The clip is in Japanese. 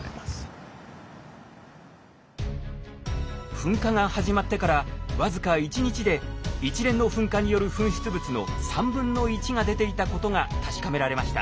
噴火が始まってから僅か１日で一連の噴火による噴出物の1/3が出ていたことが確かめられました。